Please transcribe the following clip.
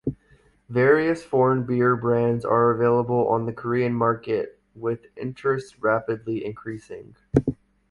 Various foreign beer brands are available on the Korean market, with interest rapidly increasing.